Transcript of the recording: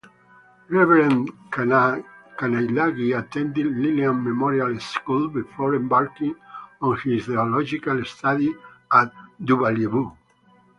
Reverend Kanailagi attended Lelean Memorial School before embarking on his Theological Studies at Davuilevu.